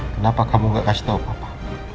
kenapa kamu gak kasih tau papa